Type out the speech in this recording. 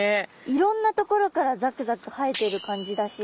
いろんなところからザクザク生えている感じだし。